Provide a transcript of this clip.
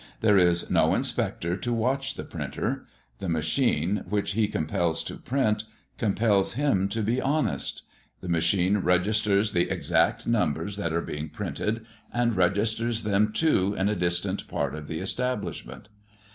There is no inspector to watch the printer. The machine, which he compels to print, compels him to be honest. The machine registers the exact numbers that are being printed, and registers them too in a distant part of the establishment.